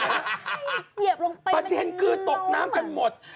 เกียบลงไปมันเงาประเทศคือตกน้ำกันหมด